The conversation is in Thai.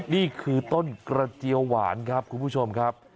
นี่คือต้นกระเจียวหวานครับคุณผู้ชมครับ